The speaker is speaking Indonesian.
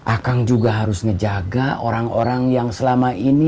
akang juga harus ngejaga orang orang yang selama ini